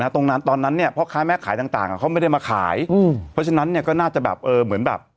ตรงนั้นตอนนั้นเนี่ยพ่อค้าแม่ขายต่างเขาไม่ได้มาขายเพราะฉะนั้นเนี่ยก็น่าจะแบบเออเหมือนแบบ